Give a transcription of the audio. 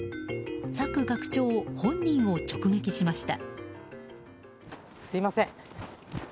朔学長本人を直撃しました。